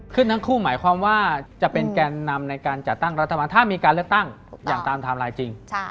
ทั้งคู่หมายความว่าจะเป็นแกนนำในการจัดตั้งรัฐบาลถ้ามีการเลือกตั้งอย่างตามไทม์ไลน์จริง